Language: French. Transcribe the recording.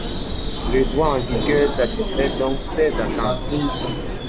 Le droit en vigueur satisfait donc ces attentes.